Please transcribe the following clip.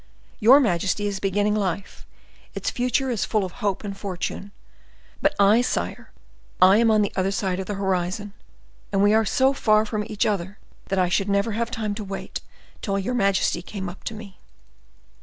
Your majesty is beginning life, its future is full of hope and fortune; but I, sire, I am on the other side of the horizon, and we are so far from each other, that I should never have time to wait till your majesty came up to me."